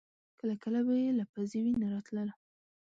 کله کله به يې له پزې وينه راتله.